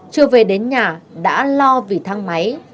chưa về đến nhà đã lo vì thang máy